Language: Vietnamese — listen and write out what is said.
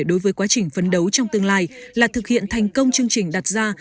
đối với quá trình phấn đấu trong tương lai là thực hiện thành công chương trình đặt ra